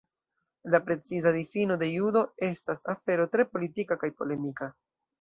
La preciza difino de "Judo" estas afero tre politika kaj polemika.